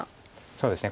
そうですね